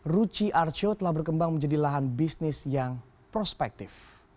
ruchi artshow telah berkembang menjadi lahan bisnis yang prospektif